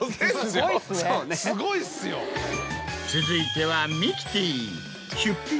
続いては。